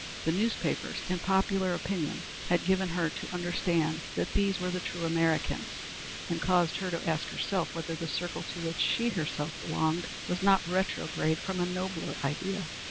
The newspapers and popular opinion had given her to understand that these were the true Americans, and caused her to ask herself whether the circle to which she herself belonged was not retrograde from a nobler ideal.